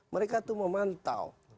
mereka itu memantau